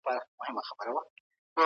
کوم عادتونه مو له ګډوډۍ څخه ژغوري؟